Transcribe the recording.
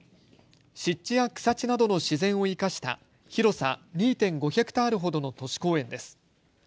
湿地や草地などの自然を生かした広さ２．５ヘクタールほどの都市公園です。